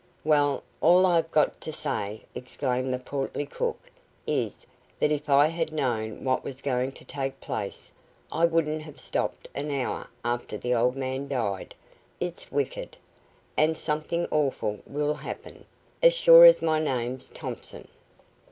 "Well, all I have got to say," exclaimed the portly cook, "is, that if I had known what was going to take place, I wouldn't have stopped an hour after the old man died. It's wicked! And something awful will happen, as sure as my name's Thompson."